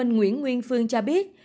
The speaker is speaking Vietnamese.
nguyễn nguyên phương cho biết